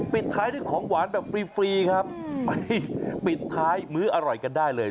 ปิดท้ายด้วยของหวานแบบฟรีครับไปปิดท้ายมื้ออร่อยกันได้เลย